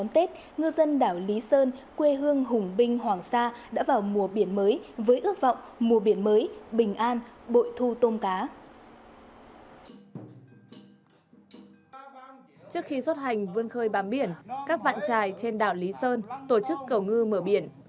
trước khi xuất hành vươn khơi bám biển các vạn trài trên đảo lý sơn tổ chức cầu ngư mở biển